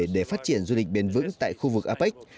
để phát triển du lịch bền vững tại khu vực apec